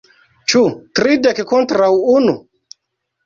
Ĉu tridek kontraŭ unu?